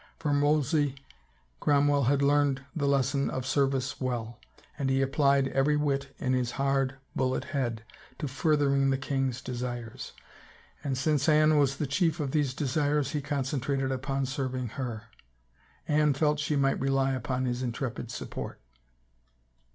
From Wolsey, Cromwell had learned the lesson of service well, and he applied every wit in his hard, bullet head to furthering the king's desires. And since Anne was the chief of these desires he concentrated upon serving her. Anne felt she might rely upon his intrepid support.